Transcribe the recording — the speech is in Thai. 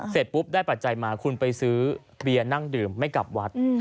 เสร็จปุ๊บได้ปัจจัยมาคุณไปซื้อเบียร์นั่งดื่มไม่กลับวัด